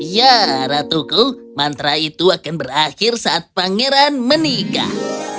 ya ratuku mantra itu akan berakhir saat pangeran menikah